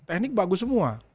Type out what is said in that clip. ini bagus semua